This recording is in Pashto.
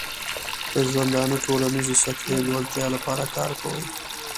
د ژوندانه ټولنیزې سطحې لوړتیا لپاره کار کوي.